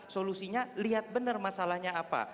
solusinya lihat benar masalahnya apa